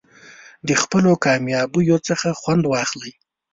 د خپلو کامیابیو څخه خوند واخلئ.